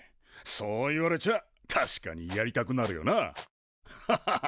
そう言われちゃあ確かにやりたくなるよなハハハハッ。